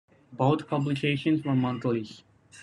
Both publications were monthlies.